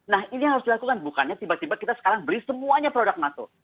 nah ini yang harus dilakukan bukannya tiba tiba kita sekarang beli semuanya produk nato